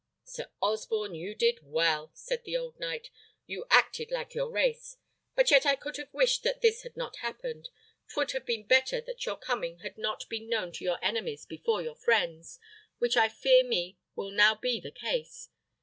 "Sir Osborne, you did well," said the old knight; "you acted like your race. But yet I could have wished that this had not happened; 'twould have been better that your coming had not been known to your enemies before your friends, which I fear me will now be the case.